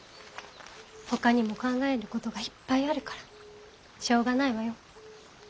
ほかにも考えることがいっぱいあるからしょうがないわよ。